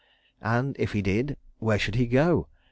And if he did, where should he go?